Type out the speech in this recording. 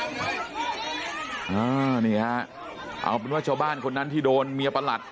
อืมอ๋อนี่ฮะอ่าว่าชาวบ้านคนนั้นที่โดนเมียประหลัด